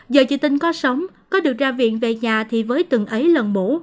giờ chị tinh có sống có được ra viện về nhà thì với từng ấy lần mổ